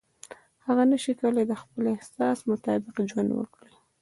هغه نشي کولای د خپل احساس مطابق ژوند وکړي.